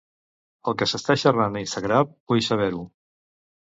El que s'està xerrant a Instagram, vull saber-ho.